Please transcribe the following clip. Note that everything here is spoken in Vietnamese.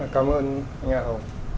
cảm ơn nhà hồng